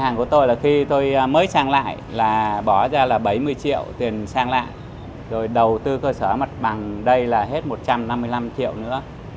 nói ra là bảy mươi triệu tiền sang lại rồi đầu tư cơ sở mặt bằng đây là hết một trăm năm mươi năm triệu nữa